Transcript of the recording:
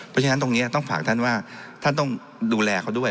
เพราะฉะนั้นตรงนี้ต้องฝากท่านว่าท่านต้องดูแลเขาด้วย